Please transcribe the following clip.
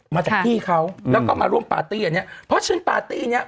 มาจากพี่เขาแล้วก็มาร่วมปาร์ตี้อันเนี้ยเพราะฉะนั้นปาร์ตี้เนี้ย